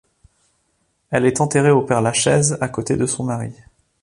Elle est enterrée au Père-Lachaise à côté de son mari.